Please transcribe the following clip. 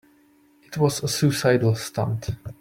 It was a suicidal stunt.